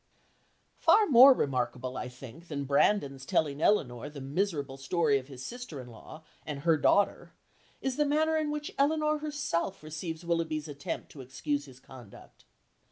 Far more remarkable, I think, than Brandon's telling Elinor the miserable story of his sister in law and her daughter is the manner in which Elinor herself receives Willoughby's attempt to excuse his conduct.